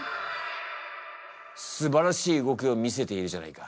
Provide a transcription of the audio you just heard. すばらしい動きを見せているじゃないか。